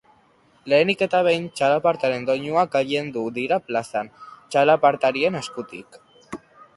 Lehenik eta behin, txalapartaren doinuak gailendu dira plazan, txalapartarien eskutik.